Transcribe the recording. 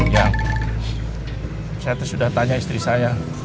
ya saya sudah tanya istri saya